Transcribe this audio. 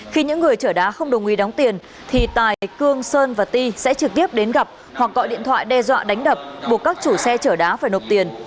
khi những người chở đá không đồng ý đóng tiền thì tài cương sơn và ti sẽ trực tiếp đến gặp hoặc gọi điện thoại đe dọa đánh đập buộc các chủ xe chở đá phải nộp tiền